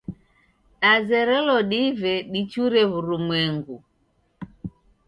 Dazerelo dive dichure w'urumwengu.